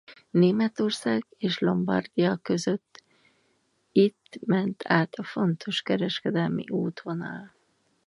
Németország és Lombardia között itt ment át a fontos kereskedelmi útvonal.